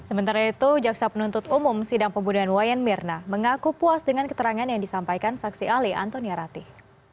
sementara itu jaksa penuntut umum sidang pembunuhan wayan mirna mengaku puas dengan keterangan yang disampaikan saksi ahli antonia ratih